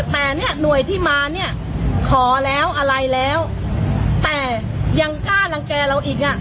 แต่เนี่ยหน่วยที่มาเนี่ยขอแล้วอะไรแล้วแต่ยังกล้ารังแก่เราอีกอ่ะ